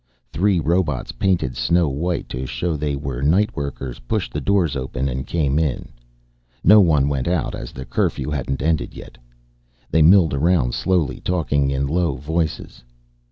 Three robots, painted snow white to show they were night workers, pushed the doors open and came in. No one went out as the curfew hadn't ended yet. They milled around slowly talking in low voices.